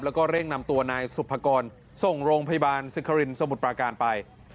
แล้วก็เร่งนำตัวนายสุภกรส่งโรงพยาบาลสิครินสมุทรปราการไป